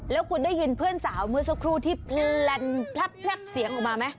แล้วคุณได้ยินเพื่อนสาวเมื่อสักครู่ที่แพลนแพลบเสียงออกมาไหม